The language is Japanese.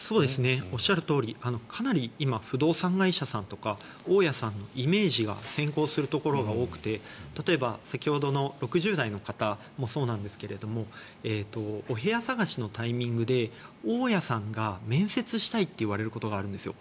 おっしゃるとおりかなり今、不動産会社さんとか大家さんのイメージが先行するところが多くて例えば、先ほどの６０代の方もそうなんですけれどもお部屋探しのタイミングで大家さんが面接したいって言われることがあるんですよ。